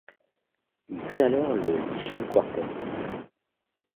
Ils créent alors le Guichen Quartet.